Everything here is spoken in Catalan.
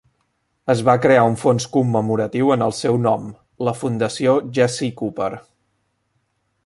Es va crear un fons commemoratiu en el seu nom, la Fundació Jesse Cooper.